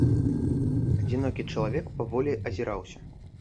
Адзінокі чалавек паволі азіраўся.